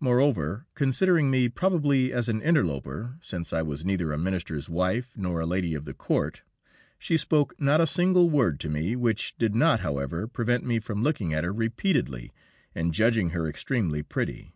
Moreover, considering me probably as an interloper, since I was neither a minister's wife nor a lady of the court, she spoke not a single word to me, which did not, however, prevent me from looking at her repeatedly and judging her extremely pretty.